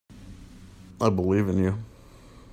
I believe in you.